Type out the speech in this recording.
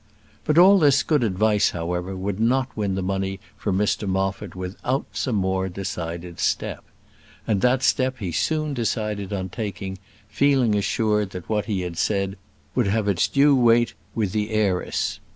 But all this good advice, however, would not win the money for Mr Moffat without some more decided step; and that step he soon decided on taking, feeling assured that what he had said would have its due weight with the heiress.